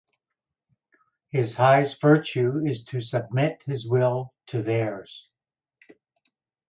His highest virtue is to submit his will to theirs.